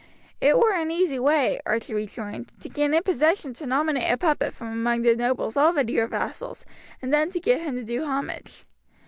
"It were an easy way," Archie rejoined, "to gain a possession to nominate a puppet from among the nobles already your vassals, and then to get him to do homage.